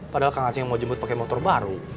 padahal kang acing mau jemput pake motor baru